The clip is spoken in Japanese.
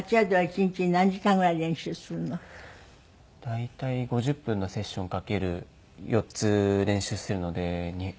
大体５０分のセッション掛ける４つ練習しているので。